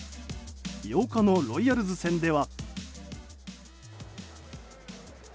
８日のロイヤルズ戦では。